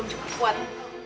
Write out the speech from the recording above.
aku cuma mau beri bukti